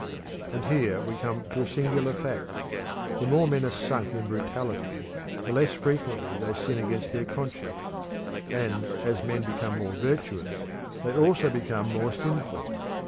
And here we come to a singular fact. The more men are sunk in brutality the less frequently they sin against their conscience; and as men become more virtuous, they also become more sinful.